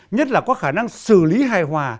nhất là có khả năng xử lý hài hòa